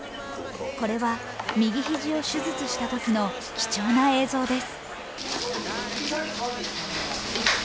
これは右肘を手術したときの貴重な映像です。